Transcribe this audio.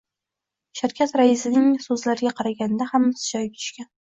Shirkat raisining soʻzlariga qaraganda, hammasi joyiga tushgan.